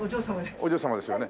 お嬢様ですよね。